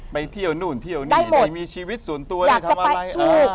ไปเที่ยวนู่นเที่ยวนี่ได้มีชีวิตส่วนตัวได้ทำอะไร